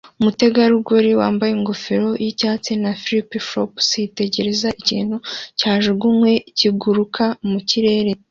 Umutegarugori wambaye ingofero y'ibyatsi na flip-flops yitegereza ikintu cyajugunywe kiguruka mu kirere